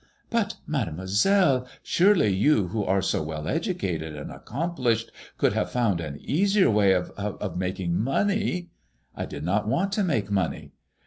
'' But, Mademoiselle, surely you who are so well educated and accomplished could have found an easier way of — of making money." ''I did not want to make money."